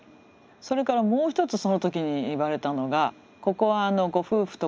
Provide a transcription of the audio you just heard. それからもう一つその時に言われたのがここはご夫婦と子どもさん